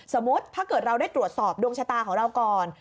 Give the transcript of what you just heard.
ถ้าเกิดเราได้ตรวจสอบดวงชะตาของเราก่อน